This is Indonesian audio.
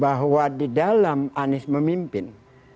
bahwa di dalam anies memimpin